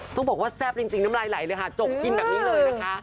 ต้องบอกว่าแซ่บจริงน้ำลายไหลเลยค่ะจกกินแบบนี้เลยนะคะ